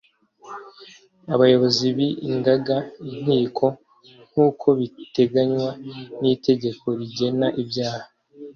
abayobozi bi ingaga inkiko nk uko biteganywa n itegeko rigena ibyaha